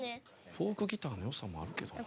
フォークギターのよさもあるけどな。